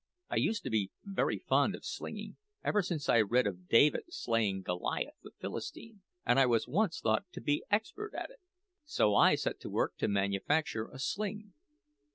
I used to be very fond of slinging, ever since I read of David slaying Goliath the Philistine, and I was once thought to be expert at it." So I set to work to manufacture a sling.